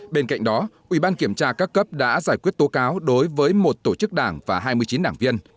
bên cạnh đó ủy ban kiểm tra các cấp đã giải quyết tố cáo đối với một tổ chức đảng và hai mươi chín đảng viên